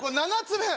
７つ目